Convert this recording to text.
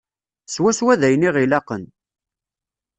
Swaswa d ayen i ɣ-ilaqen.